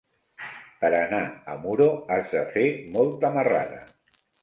Per anar a Muro has de fer molta marrada.